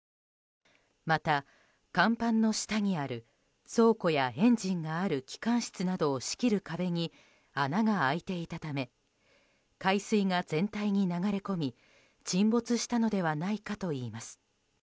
また甲板の下にある、倉庫やエンジンがある機関室などを仕切る壁に穴が開いていたため海水が全体に流れ込み沈没したのではないかといいます。